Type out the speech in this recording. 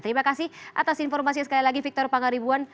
terima kasih atas informasinya sekali lagi victor pangribuan